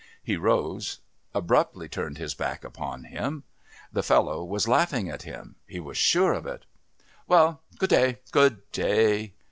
He rose, abruptly turning his back upon him. The fellow was laughing at him he was sure of it. "Well good day, good day."